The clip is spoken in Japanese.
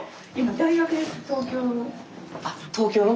あっ東京の？